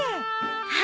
はい。